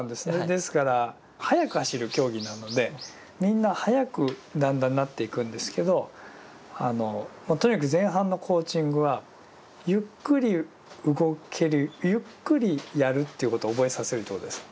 ですから速く走る競技なのでみんな速くだんだんなっていくんですけどとにかく前半のコーチングはゆっくり動けるゆっくりやるということを覚えさせるということです。